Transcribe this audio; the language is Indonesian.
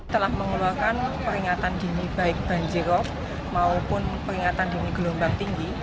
telah mengeluarkan peringatan dini baik banjirop maupun peringatan dini gelombang tinggi